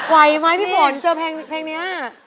ไหวไหมพี่ฝนเจอเพลงนี้